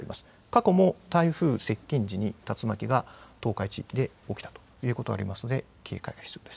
過去も台風接近時に竜巻が東海地域で起きたということがあります